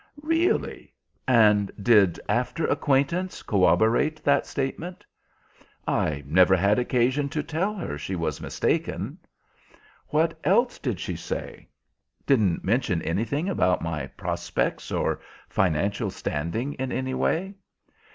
"Really. And did after acquaintance corroborate that statement?" "I never had occasion to tell her she was mistaken." "What else did she say? Didn't mention anything about my prospects or financial standing in any way?"